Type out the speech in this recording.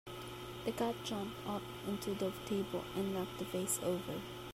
The cat jumped up onto the table and knocked the vase over.